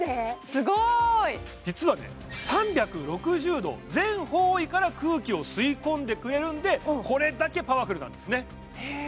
すごい！実はね３６０度全方位から空気を吸い込んでくれるんでこれだけパワフルなんですねへえ